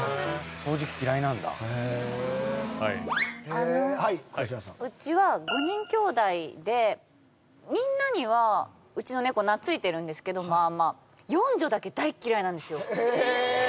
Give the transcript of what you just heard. あのはい倉科さんうちは５人きょうだいでみんなにはうちの猫懐いてるんですけどまあまあ四女だけ大っ嫌いなんですよ